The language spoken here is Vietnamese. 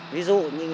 ví dụ như